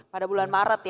pada bulan maret ya